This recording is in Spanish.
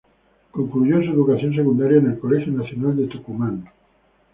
Concluyo su educación secundaria en el Colegio Nacional de Tucumán.